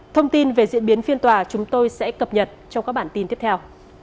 thông tin về diễn biến phiên tòa chúng tôi sẽ cập nhật trong các bản tin tiếp theo